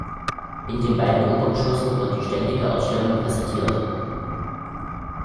In den beiden Obergeschossen wird die ständige Ausstellung präsentiert.